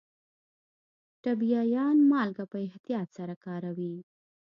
ټبیايان مالګه په احتیاط سره کاروي.